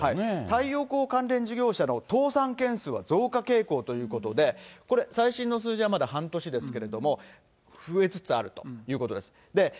太陽光関連事業者の倒産件数は増加傾向ということで、これ、最新の数字はまだ半年ですけれども、増えつつあるということです。